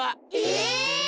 え！？